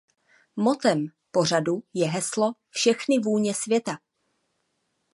Mottem pořadu je heslo "všechny vůně světa".